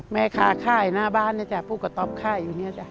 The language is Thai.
แม่ขาข้ายหน้าบ้านเนี่ยจ้ะปูกระตอบข้ายอยู่เนี่ยจ้ะ